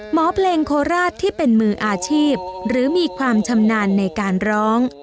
หมอเพลงโคราชที่เป็นมืออาชีพหรือมีความชำนาญในการร้อง